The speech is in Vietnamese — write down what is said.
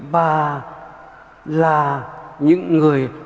và là những người